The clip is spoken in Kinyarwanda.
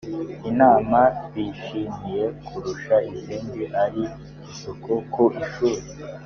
inama bishimiye kurusha izindi ari isuku ku ishuri